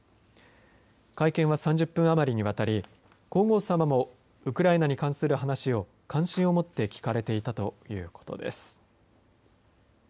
会見は３０分余りにわたり皇后様もウクライナに関する話を関心をもって聞かれていたということです。